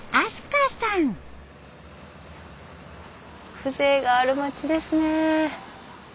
風情がある町ですね。